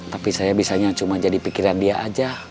tapi saya bisanya cuma jadi pikiran dia aja